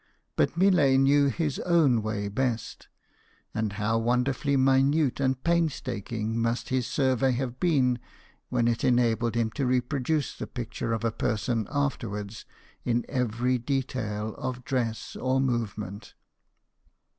But Millet knew his own way best; and how wonderfully minute and painstaking must his survey have been when it enabled him to re produce the picture of a person afterwards in every detail of dress or movement.